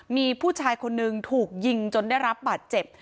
มีผู้ชายคนนึงถูกยิงจนได้รับบาดเจ็บ